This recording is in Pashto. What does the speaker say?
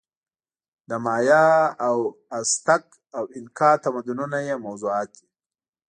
د مایا او ازتک او اینکا تمدنونه یې موضوعات دي.